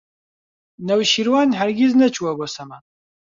نەوشیروان هەرگیز نەچووە بۆ سەما.